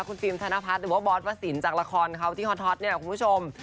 คุณฟิล์มธนพัฒน์หรือว่าบอสวสินจากละครเขาที่ฮอตเนี่ยคุณผู้ชม